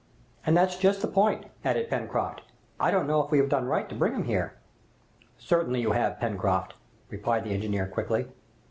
"And that's just the point," added Pencroft, "I don't know if we have done right to bring him here." "Certainly you have, Pencroft," replied the engineer quickly.